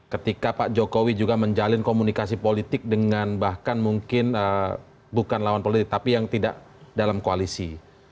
ketika pak jokowi juga menjalin komunikasi politik dengan bahkan mungkin bukan lawan politik tapi yang tidak dalam koalisi